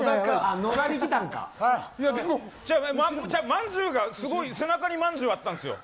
まんじゅうが背中にまんじゅうがあったんですよ。